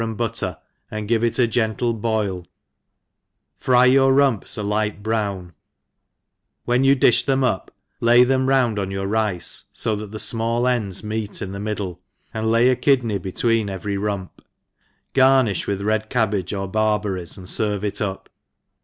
and butter, and give it a gentle boil, fry ypur rumps a^light :brdw^ ; when you difl> thcna up, Uy^the/n round on your rice, fo ENGLISft HOUSE KEEPER. X07 (0 itfzt the Anall ends meet m the middle, and lay a kidney between every rump , garnifli with red cabbage or barberries^ and fervc it up.